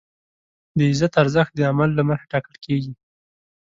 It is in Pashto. د عزت ارزښت د عمل له مخې ټاکل کېږي.